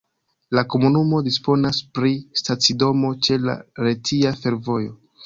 La komunumo disponas pri stacidomo ĉe la Retia Fervojo.